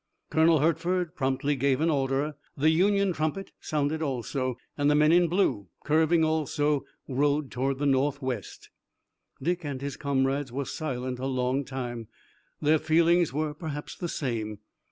Colonel Hertford promptly gave an order, the Union trumpet sounded also, and the men in blue, curving also, rode toward the northwest. Dick and his comrades were silent a long time. Their feelings were perhaps the same.